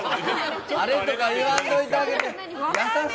あれとか言わんといて！